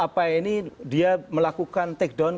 kalau benar benar melakukan